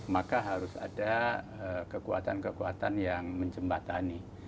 maka harus ada kekuatan kekuatan yang menjembatani